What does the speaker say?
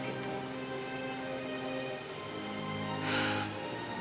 sepertinya emak kurang suka dengan kehadiran aku di situ